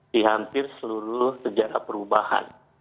di hampir seluruh sejarah perubahan